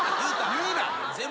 言うな。